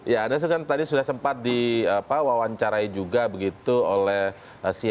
ya anda tadi sudah sempat diwawancarai juga begitu oleh cnn indonesia